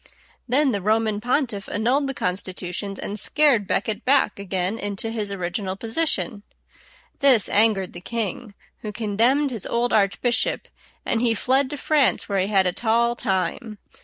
Then the Roman pontiff annulled the constitutions, and scared Becket back again into his original position. This angered the king, who condemned his old archbishop, and he fled to France, where he had a tall time.